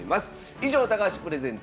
以上「高橋プレゼンツ